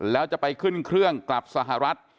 แล้วจะไปขึ้นเครื่องกลับสหรัฐ